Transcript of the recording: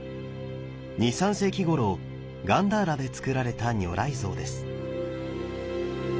２３世紀ごろガンダーラでつくられた如来像です。